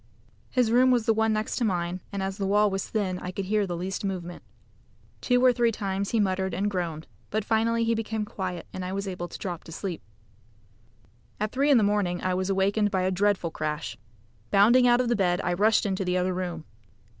His room was the one next to mine, and as the wall was thin, I could hear the least movement. Two or three times he muttered and groaned, but finally he became quiet, and I was able to drop to sleep. At three in the morning, I was awakened by a dreadful crash. Bounding out of bed I rushed into the other room.